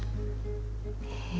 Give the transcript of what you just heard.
へえ。